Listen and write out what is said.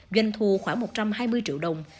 doanh thu khoảng một trăm hai mươi triệu đồng